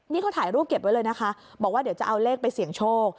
นี่เขาถ่ายรูปเก็บไว้เลยนะคะบอกว่าเดี๋ยวจะเอาเลขไปเสี่ยงโชค